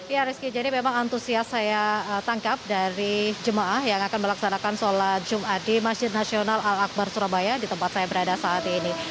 ya rizky jadi memang antusias saya tangkap dari jemaah yang akan melaksanakan sholat jumat di masjid nasional al akbar surabaya di tempat saya berada saat ini